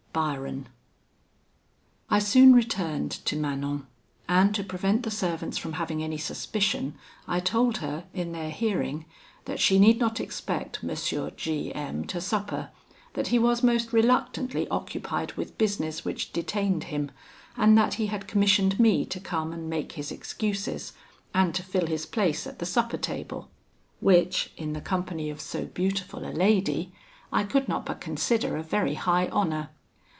BYRON. I soon returned to Manon; and to prevent the servants from having any suspicion, I told her in their hearing, that she need not expect M. G M to supper; that he was most reluctantly occupied with business which detained him, and that he had commissioned me to come and make his excuses, and to fill his place at the supper table; which, in the company of so beautiful a lady, I could not but consider a very high honour.